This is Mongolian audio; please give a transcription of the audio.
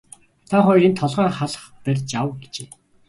Та хоёр энд толгойн халх барьж ав гэжээ.